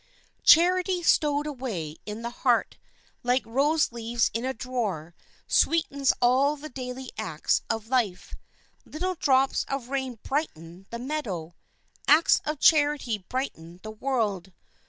Charity stowed away in the heart, like rose leaves in a drawer, sweetens all the daily acts of life. Little drops of rain brighten the meadow; acts of charity brighten the world.